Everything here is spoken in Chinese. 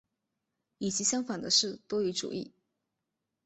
与其相反的是多语主义。